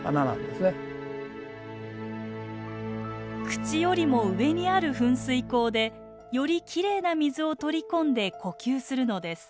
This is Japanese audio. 口よりも上にある噴水孔でよりきれいな水を取り込んで呼吸するのです。